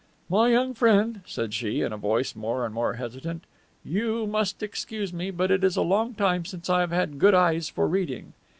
"My young friend," said she, in a voice more and more hesitant, "you must excuse me, but it is a long time since I have had good eyes for reading."